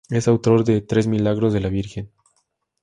Es autor de tres "Milagros de la Virgen".